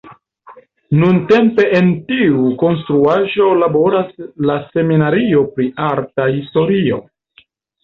Nuntempe en tiu konstruaĵo laboras la seminario pri arta historio.